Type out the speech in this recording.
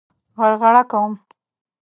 غرغړه کوم.